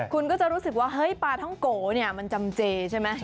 คุณก็จะรู้สึกว่าปลาท่องโกมันจำเจใช่ไหม